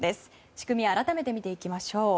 仕組みを改めて見ていきましょう。